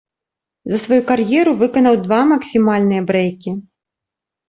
За сваю кар'еру выканаў два максімальныя брэйкі.